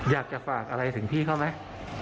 อยากจะฝากอะไรถึงพี่เขาไหม